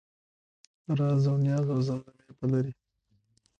رازاونیازاوزمزمې به لرې